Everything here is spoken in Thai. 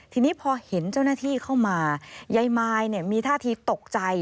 ทีนี้พอเห็นเจ้าหน้าที่เข้ามายายมายมีท่าทีตกใจ